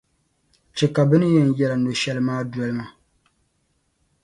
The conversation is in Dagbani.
chɛ ka bɛ ni yɛn yɛl’ a no’ shɛli maa doli ma.